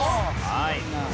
はい。